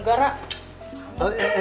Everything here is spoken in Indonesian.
jangan lupa ya om disampaikan